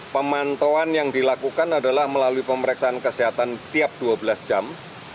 pemantauan yang dilakukan adalah melalui pemeriksaan kesehatan tiap dua belas jam